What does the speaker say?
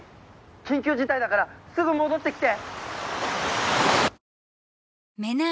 緊急事態だからすぐ戻ってきて！